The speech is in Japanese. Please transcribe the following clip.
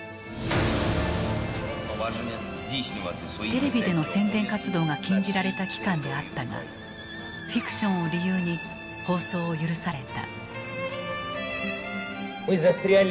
テレビでの宣伝活動が禁じられた期間であったがフィクションを理由に放送を許された。